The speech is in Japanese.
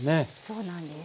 そうなんです。